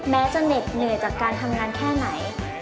แม้จะเหน็ดเหนื่อยจากการทำงานแค่ไหน